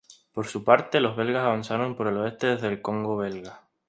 Por su parte los belgas avanzaron por el oeste desde el Congo Belga.